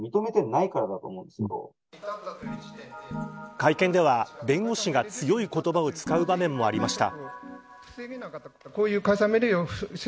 会見では弁護士が強い言葉を使う場面もありました。